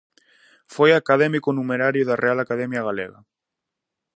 Foi académico numerario da Real Academia Galega.